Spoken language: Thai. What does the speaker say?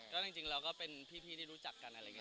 ก็จริงเราก็เป็นพี่ที่รู้จักกันอะไรอย่างนี้